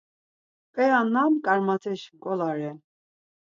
P̌eya nam karmat̆eş nǩola ren?